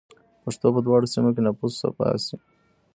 پښتو په دواړو سیمه کې نفس باسي.